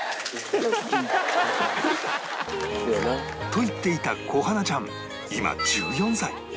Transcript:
と言っていた小花ちゃん今１４歳